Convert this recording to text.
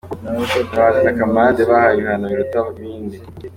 Mutabazi na Camarade bahawe ibihano biruta ibindi.